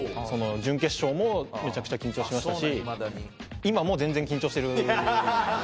準決勝もめちゃくちゃ緊張しましたし今も全然緊張してる。